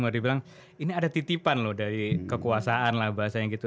mau dibilang ini ada titipan loh dari kekuasaan lah bahasanya gitu